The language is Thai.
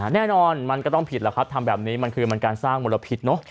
แน่นอนมันก็ต้องผิดแล้วครับทำแบบนี้มันคือมันการสร้างมลพิษเนอะ